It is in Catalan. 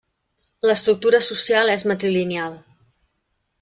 L'estructura social és matrilineal.